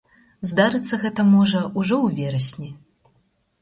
Здарыцца гэта можа ўжо ў верасні.